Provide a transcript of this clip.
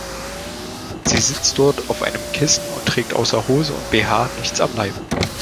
Sie sitzt dort auf einem Kissen und trägt außer Hosen und BH nichts am Leib.